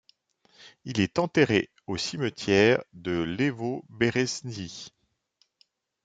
Il est enterré au cimetière de Levoberezhniy.